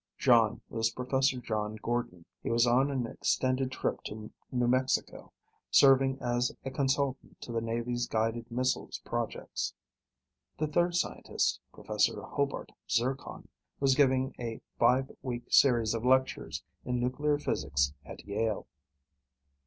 John was Professor John Gordon. He was on an extended trip to New Mexico, serving as a consultant to the Navy's guided missiles projects. The third scientist, Professor Hobart Zircon, was giving a five week series of lectures in nuclear physics at Yale.